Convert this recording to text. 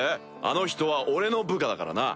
あの人は俺の部下だからな。